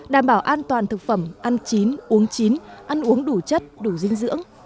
đảm bảo an toàn thực phẩm ăn chín uống chín ăn uống đủ chất đủ dinh dưỡng